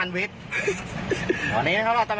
อันนี้น้องสองคนนี้จะมาชิงไฟกัน